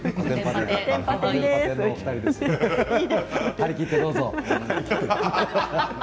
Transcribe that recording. はりきってどうぞ。